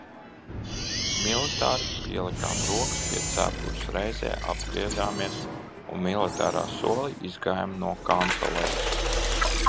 Militāri pielikām rokas pie cepures, reizē apgriezāmies un militārā solī izgājām no kancelejas.